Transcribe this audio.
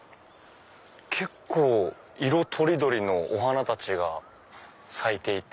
結構色取り取りのお花たちが咲いていて。